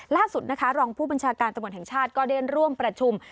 ล่าสุดนะคะรองผู้บัญชาการตำรวจแห่งชาติก็ได้ร่วมประชุม